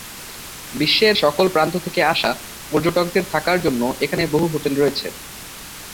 বিশ্বের সকল প্রান্ত থেকে আসা পর্যটকদের থাকার জন্য এখানে বহু হোটেল রয়েছে।